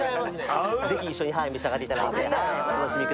ぜひ一緒に召し上がっていただいて。